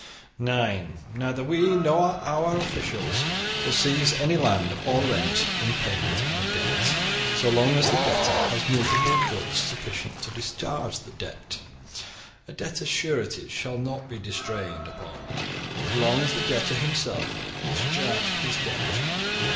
(9) Neither we nor our officials will seize any land or rent in payment of a debt, so long as the debtor has movable goods sufficient to discharge the debt. A debtor's sureties shall not be distrained upon so long as the debtor himself can discharge his debt.